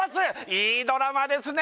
いいドラマですね